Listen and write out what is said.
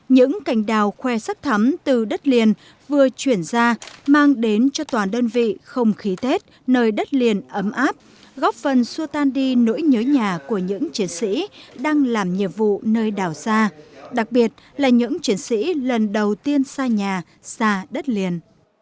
những cành đào khoe sắc thắm từ đất liền vừa chuyển ra mang đến cho toàn đơn vị không khí tết nơi đất liền ấm áp góp phần xua tan đi nỗi nhớ nhà của những chiến sĩ đang làm nhiệm vụ nơi đảo xa đặc biệt là những chiến sĩ lần đầu tiên xa nhà xa đất liền